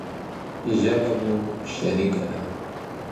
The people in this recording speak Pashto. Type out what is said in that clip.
ژبه مو شريکه ده.